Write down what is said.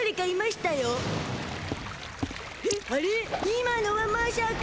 今のはましゃか？